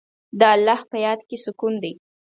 د الله په یاد کې سکون دی.